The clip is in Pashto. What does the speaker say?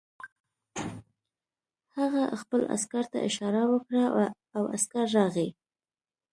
هغه خپل عسکر ته اشاره وکړه او عسکر راغی